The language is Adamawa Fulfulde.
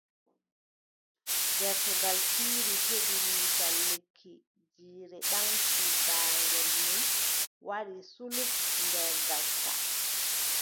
Gertogal fiiri heɓi lisal lekki! Jiire ɓaŋti daagel muum waɗi culuk nder ngaska!